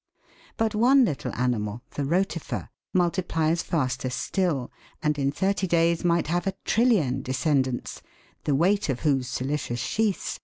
But one little animal, the Rotifer, multiplies faster still, and in thirty days might have a trillion descendants, the weight of whose silicious sheaths Fig.